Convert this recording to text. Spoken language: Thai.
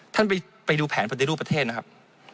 ท่านไปดูแผนพันธุรกิจประเทศนะครับ